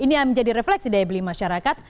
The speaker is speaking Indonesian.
ini yang menjadi refleksi daya beli masyarakat